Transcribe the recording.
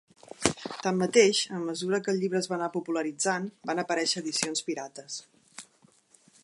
Tanmateix, a mesura que el llibre es va anar popularitzant, van aparèixer edicions pirates.